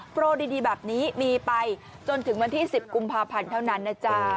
โปรดีแบบนี้มีไปจนถึงวันที่๑๐กุมภาพันธ์เท่านั้นนะจ๊ะ